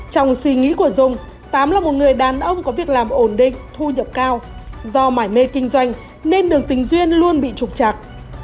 trong suy nghĩ của dung tám là một người đàn ông có việc làm ổn định thu nhập cao do mải mê kinh doanh nên đường tình duyên luôn bị trục trặc